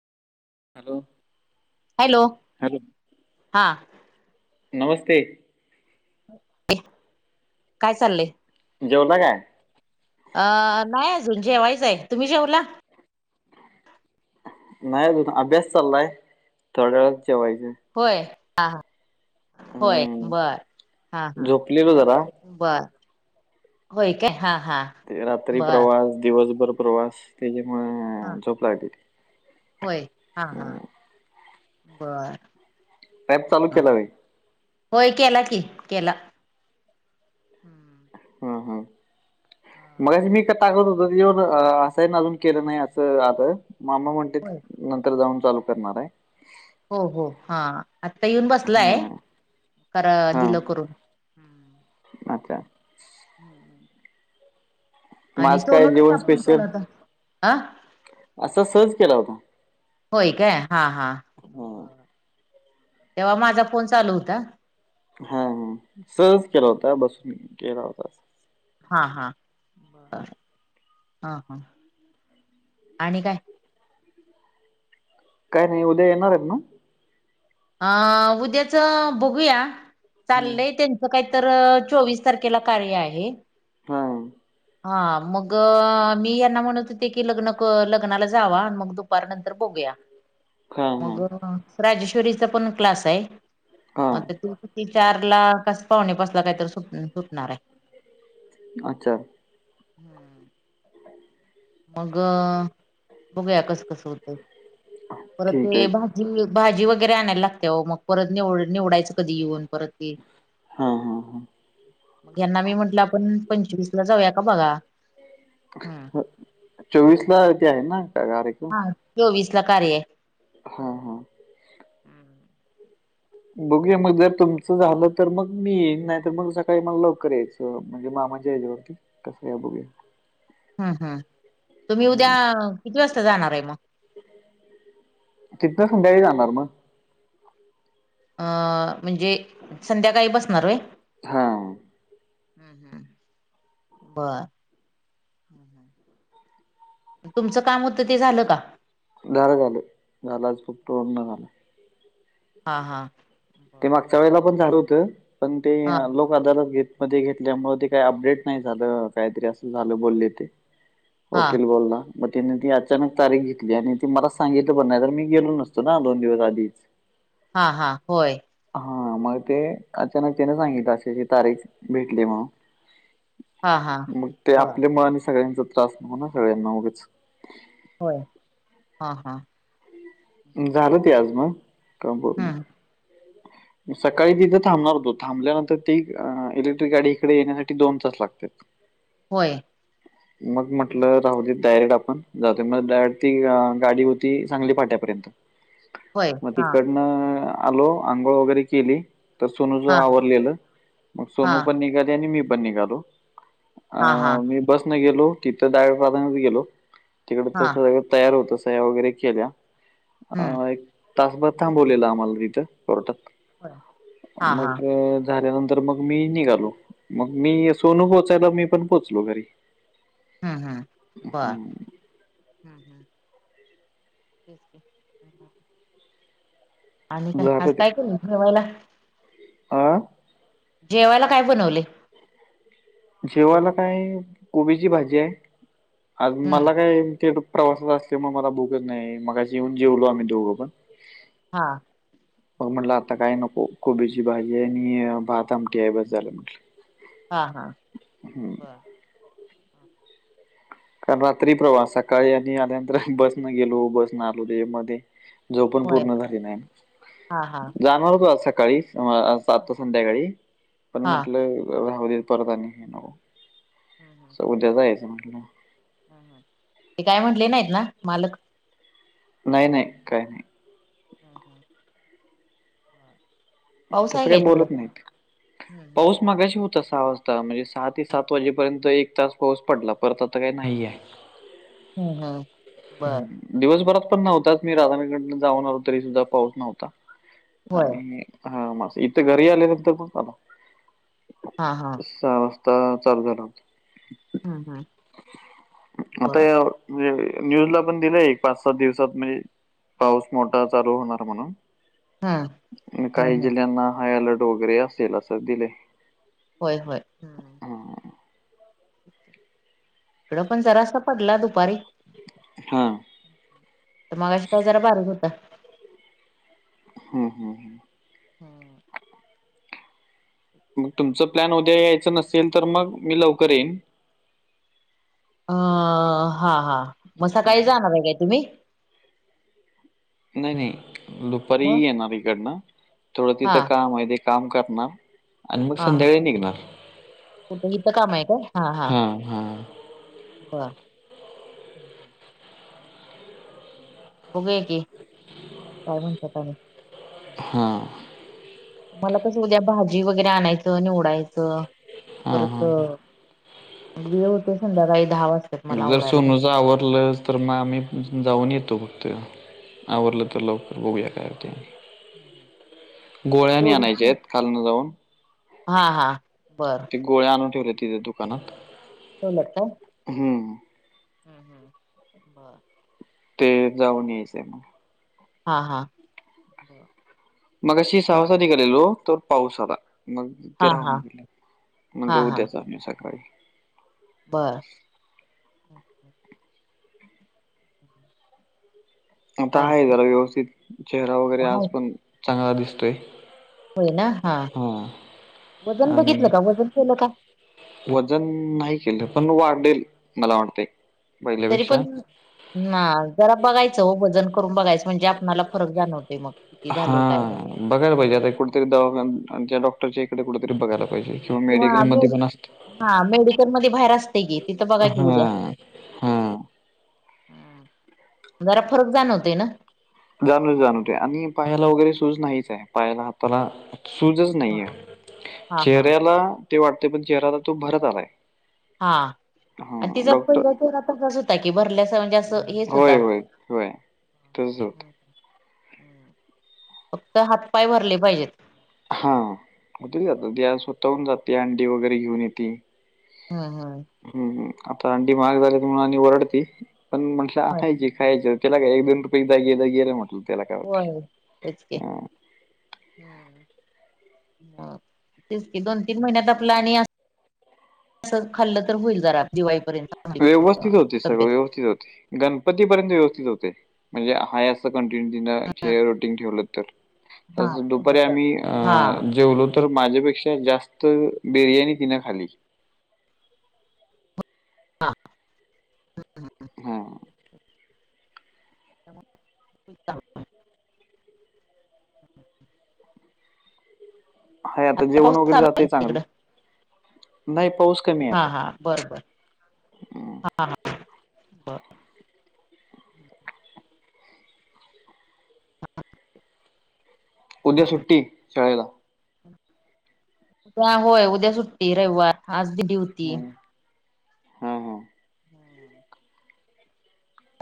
Hello! Hello! Hello हा. नमस्ते! [unintelligible] काय चाललयं.? जेवला काय? अ नाही अजून जेवायचं आहे, तुम्ही जेवला? नाही अजून अभ्यास चाललाय, थोड्या वेळाच जेवायचे. होय, अ हा होय हम्म बरं हा हा. झोपलेलो जरा बरं होय काय? हा हा. ते रात्री बर प्रवास दिवसभर प्रवास त्याच्यामुळे हा अ झोप लागली. होय, हा हा बरं ॲप चालू ह केला होय होय, केला की केला. हम्म ह ह, हा मगाशी मी कर सांगत होतो येऊन असंही अजून केलं नाही, असं आल मामा म्हणतेत होय नंतर जाऊन चालू करणार आहे. हो हो हा आ आता येऊन हा बसलाय तर, अ हा दिल करून. अच्छा! ह. ह. मग आणि आज काय सोलून जेवण कापून स्पेशल ठेवल तर, आ असा सहज केला होता होय काय हा हा हा तेव्हा माझा फोन चालू होता हा म सहज केला होता बसून केला होता अस हां हां बर हा हां आणि काय काय नाही उद्या येणार आहेत ना अ उद्याच बघूया हं. चाललंय त्यां कायतर अ चोवीस तारखेला कार्य आहे हा हा मगअ मी यांना म्हणत होते की लग्न लग्नाला जावा मग दुपार नंतर बघूया ह [inaudible] मगअ राजेश्वरीचा पण क्लास आहे हा म ते [unintelligible] चार ला कस पावणेपाचसला काहीतरी सुट सुटणार आहे अच्छा मग अ बघूया कस कस होतंय परत ठीक मी आहे. ह भाजी वगैरे आणायला लागते मग परत निव निवडायचं कधी येऊन परत ते हा हा हा मग ह्यांना मी म्हंटलं आपण पंचवीस ला जाऊया का बघा हम् चोवीस ला ते आहे कार्यक्रम हा चोवीस ला कार्य आहे हा हा बघूया मग जर तुमचं झालं तर मग मी येईन नाही तर मग सकाळी मला लवकर यायचं म्हणजे मामा याच्यावरती कसं आहे बघू हम्म हम् तुम्ही उद्या किती वाजता जाणार आहे मग तिथनं संध्याकाळी जाणार मग म्हणजे संध्याकाळी बसणार होय हां हम् हम् बर तुमचं काम होतं ते झालं का झाले झाले [unintelligible] हा हा ते बर मागच्या वेळेला पण झालं होतं पण ते हा लोक अदालत घेत मध्ये घेतल्यामुळे ते काही अपडेट नाही झालं अ काहीतरी असं झालं बोलले ते हा वकील बोलला मग तीनी ती अचानक तारीख घेतली आणि ती मला सांगितलं पण नाही तर मी गेलो नसतो ना दोन दिवस आधीच हा हा होय हा मग ते अचानक त्याने सांगितला अशी तारीख भेटली म्हणून हा हा मग ते बर आपल्यामुळं आणि सगळ्यांचा त्रास नको ना सगळ्यांना उगच होय हां हां झालं ते आज मग कामपूर्ण हम्म सकाळी तिथं थांबणार होतो थांबल्यानंतर ती इलेक्ट्रिक गाडी इकडे येण्यासाठी दोन तास लागत्यात [inaudible] होय [inaudible] मग म्हटलं राहुदेत डायरेक्ट आपण जातो मग डायरेक्ट ती गाडी होती सांगली फाट्यापर्यंत होय मग हा तिकडनं आलो आंघोळ वगैरे केली तर सोनूच हा आवरलेलं मग हा सोनू पण निघाली आणि मी पण निघालो अ हा हा मी बसनं गेलो तिथं डायरेक्ट बदामित गेलो तिकडचं हा सगळं तयार होतं सह्या वगैरे केल्या हम्म अ एक तासभर थांबवलेलं आम्हाला तिथं कोर्टात हा मग हा झाल्यानंतर मग मी निघालो मग मी सोनू पोहोचायला मी पण पोहोचलो घरी हम्म हम् बर. हम्म. [inaudible] [inaudible] आणि काय झालं आज काय के ठेवायला. अ. जेवायला काय बनवले? जेवाला काय कोबीची भाजी आहे आज हम्म मला काय ते प्रवासाात असल्यामुळे मला भूकच नाही मगा जेऊन जेवलो आम्ही दोघं पण. हा. बग म्हटलं आता काय नको कोबीची भाजी आहे आणि भात आमटी आहे बस झालं म्हट हा हा बर. कारण रात्री प्रवास सकाळी आणि आल्यानंतर बस न गेलो बस न आलो ते मध्ये. झोपूण होय पूर्ण झाली नाही हा हा जाणार होतो आ सकाळी. सातो संध्याकाळी पण हा म्हटलं रा परत आणि हे नो. हम्म स उद्या जायचं म्हला. ह ह ते काय म्हटले नाहीत ना? मालक. नाही नाही काही नाही. हम्म हम् ब. तसं काही बोलत नाही हम्म हम्म पाऊस‌. मगाशी होता सहा वाजता म्हणजे सहा ते सात वाजेपर्यंत एक तास पाऊस पडला परत आता काही नाहीय. ‌‌ हम्म हम्. दिवसभरात पण नव्हताच मी राधानीकडन जाऊनो तरी सुद्धा पाऊस नव्हता. होय आणि हा मस् इथं घरी आलेनंत ब. हा हा. सहा वाजता चालू झाला होता हम्म हम्म बर आता. [unintelligible] न्यूज ला पण दिलाय एक पाच सात दिवसात म्हणजे पाऊस मोठा चालू होणार म्हणून. हम्म हम्म काही हम्म जिल्ह्यांना हाय अलर्ट वगैरे असेल असं दिले. होय होय. इकड पण जरासा पडला दुपारी. हा. तर मगाशी पाऊस का जरा भारीक होता हा हम ह. हम्. मग तुमच प्लॅन उद्या यायचं नसेल तर मग मी लवकर येईन. अ हा हा म सकाळी जाणार हाय काय तुम्ही? नाही नाही दुपारी मग येणार इकडनं थोडं हा तिथं काम आहे तेे काम करणार. आणि मग हा हा संध्याकाळी निघणार कुठे इथं काम आहे काय [inaudible] हा हा. हा. हम ह. बघूया की [inaudible] काय म्हणता काय नू. हां. मला कसं उद्या भाजी वगैरे आणायचं, निवडायचं हां, परत. हां. वेळ होते संध्याकाळी दहा वाजता. जर सोनूच आवरडलं तर मग आम्ही जाऊन येतो फक्त. आवरलं तर लवकर बघूया काय अ ते. हम हा. गोळ्यानी आणायच्या आहेत खलन जाऊन. हा हा बर. गोळ्या आणून ठेल्यात तिथे दुकानात. ठेवल्यात का. हम्म. हम्म हम्, हा. ते जाऊन यायचंय मग. हा हा. मगशी सव्वासातला गेलेलो तर पाऊस आला मग हा ते राहून हा गेले, मणल हा उद्याच जाऊया सकाळी. बरं. [unintelligible] आता आहे चालतंय जरा व्यवस्थित चेहरा वगैरे आज हाय पण चांगला दिसतोय. होय ना हा, वजन बघितलं आणि का वजन केलं काय? वजन नाही केलं पण वाढेल मला वाटतंय. तरी पहिल्यापेक्षा पण, ना जरा बघायचं हो वजन. करुन बघाय म्हणजे आपला फरक जाणवते मग किती हा झाल काय झाले. बघायला पाहिजे कुठेतरी दवाखान आमच्या डॉक्टरच्या इकडे कुठेतरी बघायला पाहिजे. किंवा मेडिकल मध्ये मेड, पण असत हा मेडिकल मध्ये बाहेर असते की. इथं हा बघायचं उद्या. हा जरा फरक जाणवते ना. जाणव जाणवते आणि पायाला वगैरे सुज नाहीच आहे पायाला हाताला सूजच नाहीये, हा हा चेहऱ्याला ते वाटत पण चेहऱ्याला तो भरत आलाय. हां हा आणि तिचा डॉक्टर पहिला तर आता कसं होता की भरल्याच म्हणजे असं हेच होय होता होय, होय तस होतं. फक्त हात, पाय भरले पाहिजेत. हां कुठंही जात, स्वतःहून जाते अंडी वगैरे घेऊन येते. हा हा. हम् हम्म आता अंडी महाग झालीत म्हणून आणि वरडती पण म्हटलं आणायची खायची. त्याला काय एक-दोन रुपये एकदागील गील म्हटलं त्याला काय होतंय. हम्म. ह तेच की दोन-तीन महिन्यात आपलं आणि असं खाल्लं तर होईल जरा दिवाळीपर्यंत. व्यवस्थित होतय तब्येत सगळं व्यवस्थित होतंय, गणपतीपर्यंत व्यवस्थित होतंय, म्हणजे हयास कंटिन्यू तिनं ते रुटीन ठेवल हा तर ठेवलं दुपारी तर आम्ही हा जेवलो- तर माझ्यापेक्षा जास्त बिर्याणी तिनं खाली. हा. [unintelligible] हाय आता जेवण पाऊस वगैरे चालू आहे जातंय चांगलं, तिकडं नाही पाऊस कमी आहे हां आता. हां बरं बर, हां. उद्या सुट्टी शाळेला. हा होय उद्या सुट्टी रविवार आज ड्युती हं. हा हा हम्म.